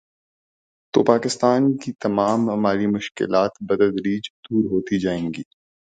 تو پاکستان کی تمام مالی مشکلات بتدریج دور ہوتی جائیں گی۔